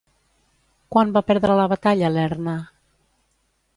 Quan va perdre la batalla Ierna?